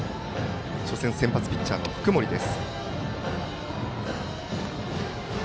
初戦先発ピッチャーの福盛です。